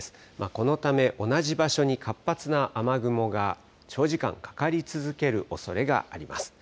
このため、同じ場所に活発な雨雲が長時間かかり続けるおそれがあります。